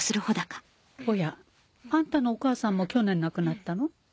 おやあんたのお母さんも去年亡くなったの？